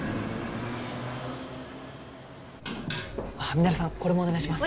ミナレさんこれもお願いします。